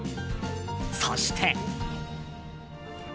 そして。